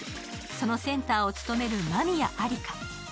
そのセンターを務める真宮アリカ。